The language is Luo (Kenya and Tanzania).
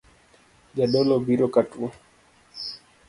Jadolo obiro katuo